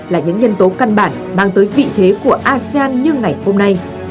là những nhân tố căn bản mang tới vị thế của asean như ngày hôm nay